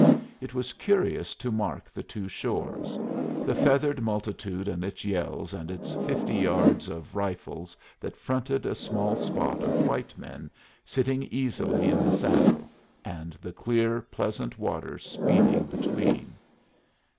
It was curious to mark the two shores: the feathered multitude and its yells and its fifty yards of rifles that fronted a small spot of white men sitting easily in the saddle, and the clear, pleasant water speeding between.